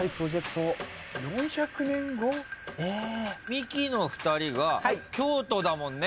ミキの２人が京都だもんね。